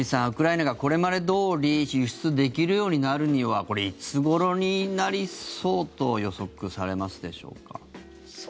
ウクライナがこれまでどおり輸出できるようになるにはこれ、いつごろになりそうと予測されますでしょうか。